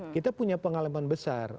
kita punya pengalaman besar